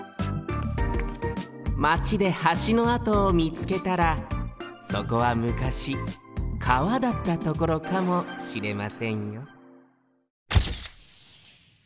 マチではしのあとをみつけたらそこはむかしかわだったところかもしれませんよ